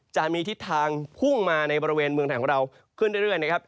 จะมีทิศทางพุ่งมาในบริเวณเมืองไทยของเราขึ้นเรื่อยนะครับ